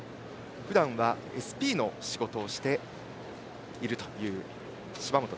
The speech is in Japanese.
ふだんは、ＳＰの仕事をしているという芝本。